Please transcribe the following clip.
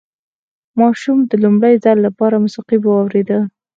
ماشوم د لومړي ځل لپاره موسيقي واورېده.